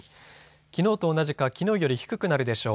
きのうと同じかきのうより低くなるでしょう。